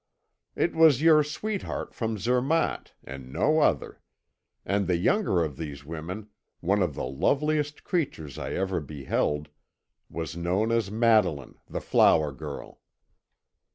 "It was your sweetheart from Zermatt, and no other. And the younger of these women, one of the loveliest creatures I ever beheld, was known as Madeline the flower girl."